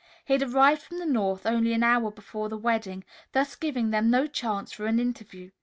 He had arrived from the north only an hour before the wedding, thus giving them no chance for an interview.